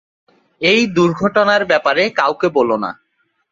এই দুর্ঘটনার ব্যাপারে কাউকে বলো না।